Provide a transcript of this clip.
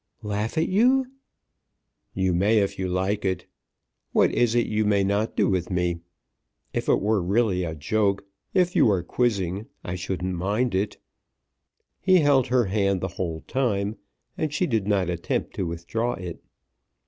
"Laugh at you!" "You may if you like it. What is it you may not do with me? If it were really a joke, if you were quizzing, I shouldn't mind it." He held her hand the whole time, and she did not attempt to withdraw it.